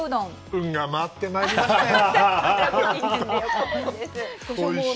運が回ってまいりましたよ！